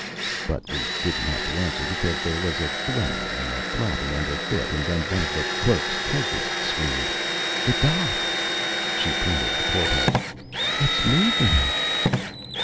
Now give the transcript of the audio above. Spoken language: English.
But we didn't have to answer, because there was a thrumming and a throbbing underfoot, and then one of the "clerks, typists" screamed: "The dock!" She pointed at a porthole. "It's moving!"